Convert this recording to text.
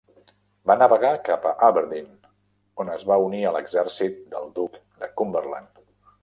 Va navegar cap a Aberdeen on es va unir a l'exèrcit del duc de Cumberland.